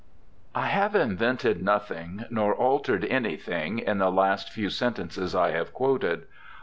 [I have invented nothing, nor altered anything, in the last few sentences I have quoted.